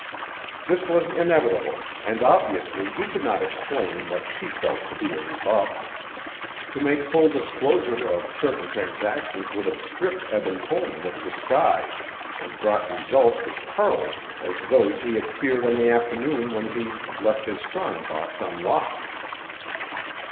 This was inevitable, and obviously he could not explain what she felt to be a rebuff. To make full disclosure of certain transactions would have stripped Eben Tollman of disguise and brought results as parlous as those he had feared on the afternoon when he left his strong box unlocked.